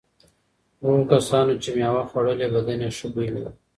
هغو کسانو چې مېوه خوړلي بدن یې ښه بوی لري.